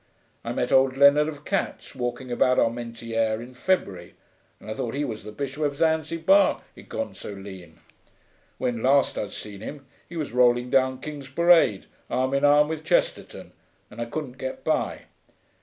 I met old Lennard of Cats, walking about Armentières in February, and I thought he was the Bishop of Zanzibar, he'd gone so lean. When last I'd seen him he was rolling down King's Parade arm in arm with Chesterton, and I couldn't get by.